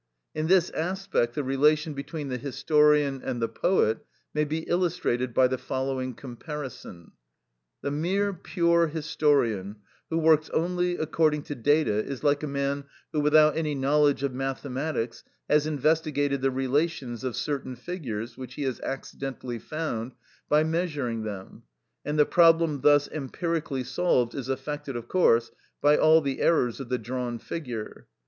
In this aspect the relation between the historian and the poet may be illustrated by the following comparison. The mere, pure historian, who works only according to data, is like a man, who without any knowledge of mathematics, has investigated the relations of certain figures, which he has accidentally found, by measuring them; and the problem thus empirically solved is affected of course by all the errors of the drawn figure.